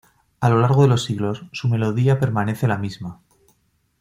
A lo largo de los siglos, su melodía permanece la misma.